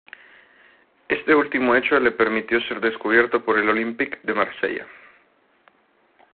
Este último hecho le permitió ser descubierto por el Olympique de Marsella.